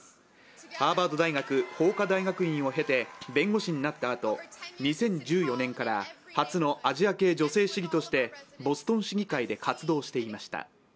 ハーバード大学法科大学院を経て弁護士になったあと、２０１４年から初のアジア系女性市議としてボストン市議会で活動していました。